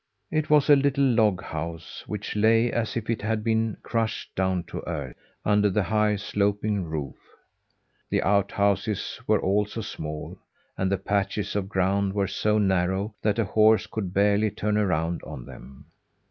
It was a little log house, which lay as if it had been crushed down to earth, under the high, sloping roof. The outhouses were also small; and the patches of ground were so narrow that a horse could barely turn around on them.